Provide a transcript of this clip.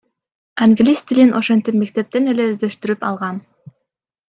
Англис тилин ошентип мектептен эле өздөштүрүп алгам.